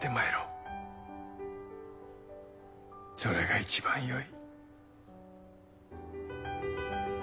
それが一番よい。